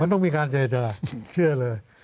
ต้องมีการเจรจาเชื่อเลย